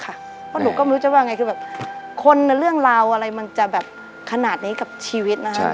เพราะหนูก็ไม่รู้จะว่าไงคือแบบคนเรื่องราวอะไรมันจะแบบขนาดนี้กับชีวิตนะคะ